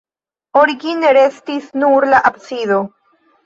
Origine restis nur la absido.